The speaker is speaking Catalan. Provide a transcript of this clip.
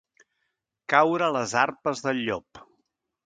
Caure a les arpes del llop.